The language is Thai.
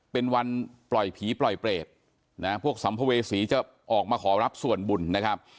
เป็นวันปล่อยผีปล่อยเปรตนะพวกสัมภเวษีจะออกมาขอรับส่วนบุญนะครับ